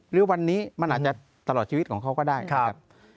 หรือวันนี้มันอาจจะตลอดชีวิตของเขาก็ได้นะครับ